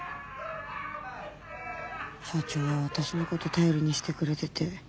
社長は私の事頼りにしてくれてて。